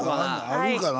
あるんかな？